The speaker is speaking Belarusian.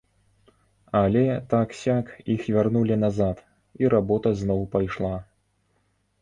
Але так-сяк іх вярнулі назад, і работа зноў пайшла.